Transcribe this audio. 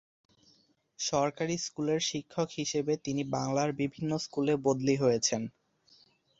সরকারি স্কুলের শিক্ষক হিসেবে তিনি বাংলার বিভিন্ন স্কুলে বদলি হয়েছেন।